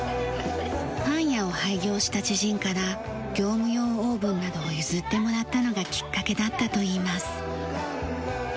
パン屋を廃業した知人から業務用オーブンなどを譲ってもらったのがきっかけだったといいます。